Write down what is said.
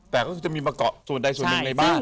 แต่ก็คือจะมีมาเกาะส่วนใดส่วนหนึ่งในบ้าน